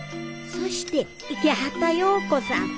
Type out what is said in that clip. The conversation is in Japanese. そして池端容子さん。